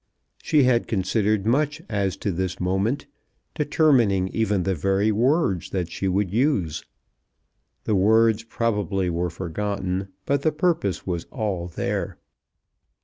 She had considered much as to this moment, determining even the very words that she would use. The words probably were forgotten, but the purpose was all there.